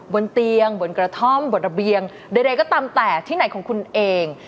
บนเตียงบนกระท่อมบนระเบียงใดก็ตามแต่ที่ไหนของคุณเอง